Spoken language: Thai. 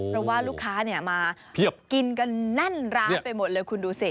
เพราะว่าลูกค้ามาเพียบกินกันแน่นร้านไปหมดเลยคุณดูสิ